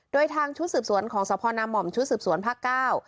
โดยทางชุดสืบสวนของสพนามห่อมชุดสืบสวนภาคเก้า